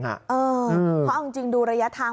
เพราะเอาจริงดูระยะทาง